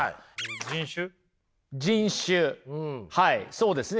そうですね。